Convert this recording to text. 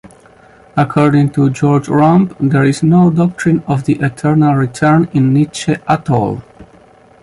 According to Georg Römpp, there is no doctrine of the eternal return in Nietzsche at all.